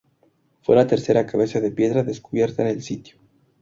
Fue la tercera cabeza de piedra descubierta en el sitio.